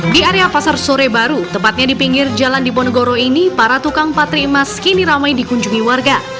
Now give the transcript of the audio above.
di area pasar sore baru tepatnya di pinggir jalan diponegoro ini para tukang patri emas kini ramai dikunjungi warga